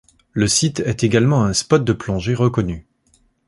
Le site est également un spot de plongée reconnu.